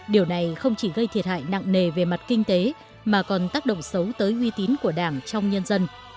điều này không chỉ gây thiệt hại nặng nề về mặt kinh tế mà còn tác động xấu tới uy tín của đảng trong nhân dân